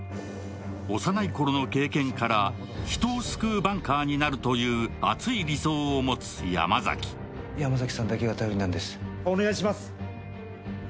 幼いころの経験から、人を救うバンカーになるという熱い理想を持つ山崎。